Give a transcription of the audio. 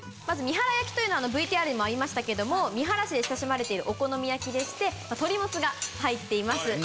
まず三原焼きというのはＶＴＲにもありましたけども三原市で親しまれてるお好み焼き鳥モツが入っています。